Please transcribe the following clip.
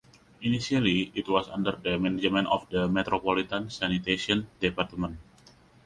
Initially it was under the management of the Metropolitan Sanitation Department.